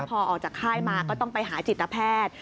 พอออกจากค่ายมาก็ต้องไปหาจิตแพทย์